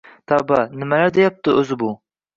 Tavba, nimalar deyapti o`zi bu